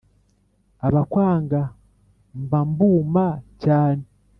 abakwanga mba mbuma cyane.